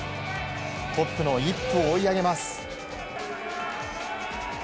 トップのイップを追い上げます。